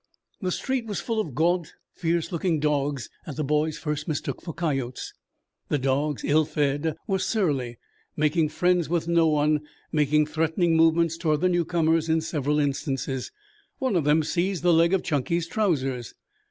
The street was full of gaunt, fierce looking dogs that the boys first mistook for coyotes. The dogs, ill fed, were surly, making friends with no one, making threatening movements toward the newcomers in several instances. One of them seized the leg of Chunky's trousers.